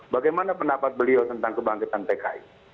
bagaimana pendapat beliau tentang kebangkitan pki